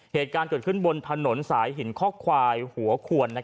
เหตุการณ์เกิดขึ้นบนถนนสายหินข้อควายหัวขวน